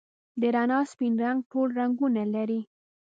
د رڼا سپین رنګ ټول رنګونه لري.